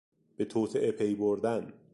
به توطئه پی بردن